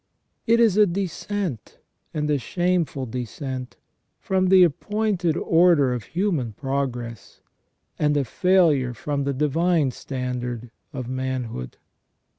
It is a descent, and a shameful descent, from the appointed order of human progress, and a failure from the divine standard of manhood.